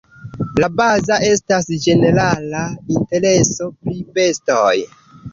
La baza estas ĝenerala intereso pri bestoj.